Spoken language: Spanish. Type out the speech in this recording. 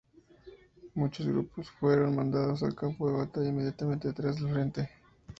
Muchos grupos fueron mandados al campo de batalla inmediatamente detrás del frente.